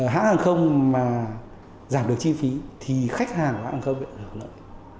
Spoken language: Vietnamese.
hãng hàng không mà giảm được chi phí thì khách hàng của hàng không sẽ được lợi